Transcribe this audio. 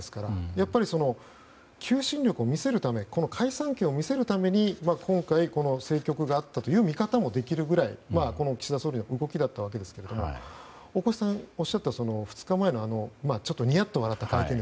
やっぱり求心力を見せるため解散を見せるために今回、政局があったという見方もできるくらい岸田総理の動きだったわけですが大越さんがおっしゃった２日前のニヤッと笑った会見。